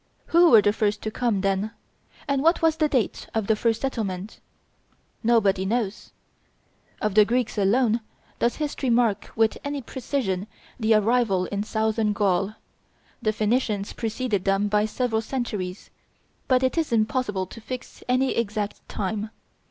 Who were the first to come, then? and what was the date of the first settlement? Nobody knows. Of the Greeks alone does history mark with any precision the arrival in southern Gaul. The Phoenicians preceded them by several centuries; but it is impossible to fix any exact time.